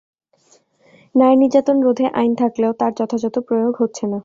নারী নির্যাতন রোধে আইন থাকলেও তার যথাযথ প্রয়োগ হচ্ছে না।